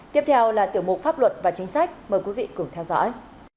tiếp theo là tiểu mục pháp luật và chính sách mời quý vị cùng theo dõi